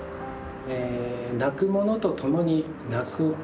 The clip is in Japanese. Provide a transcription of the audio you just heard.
泣く者と共に泣く。